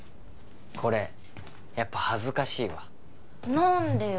これやっぱ恥ずかしいわ何でよ？